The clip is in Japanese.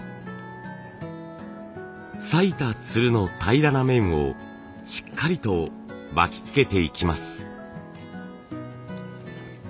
さいたつるの平らな面をしっかりと巻きつけていきます。